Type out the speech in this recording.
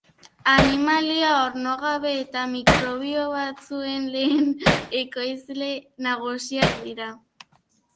Animalia ornogabe eta mikrobio batzuen lehen ekoizle nagusiak dira.